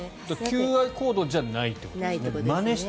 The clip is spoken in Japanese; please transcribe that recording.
求愛行動じゃないということですね。